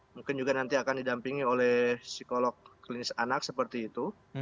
mungkin juga nanti akan didampingi oleh psikolog klinis anak seperti itu